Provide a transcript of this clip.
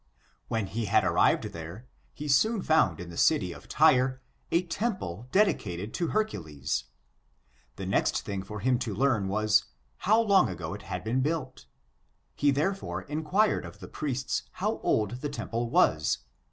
When he had arrived there, he soon found in the city of Tyre a temple dedicated to Hercules. The next thing for him to learn was, how long ago it had been built. He, therefore, inquired of the priests how old the temple was.